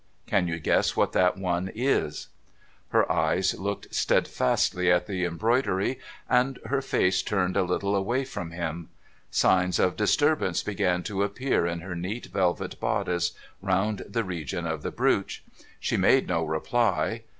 Can you guess what that one is ?' Her eyes looked steadfastly at the embroidery, and her face turned a little away from him. Signs of disturbance began to appear in her neat velvet bodice, round the region of the brooch. She made no reply.